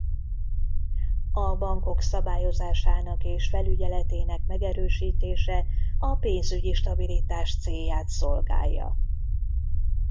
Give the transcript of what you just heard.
A bankok szabályozásának és felügyeletének megerősítése a pénzügyi stabilitás célját szolgálja.